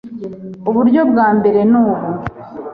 Uburyo bwa mbere nubu